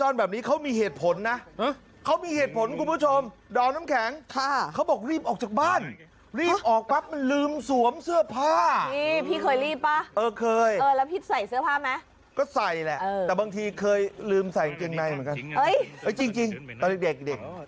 น้ำแข็งค่ะเขาบอกรีบออกจากบ้านรีบออกปั๊บมันลืมสวมเสื้อผ้าพี่เคยรีบป่ะเออเคยแล้วพี่ใส่เสื้อผ้าไหมก็ใส่แหละแต่บางทีเคยลืมใส่เกินในเหมือนกันเอ้ยจริงตอนเด็ก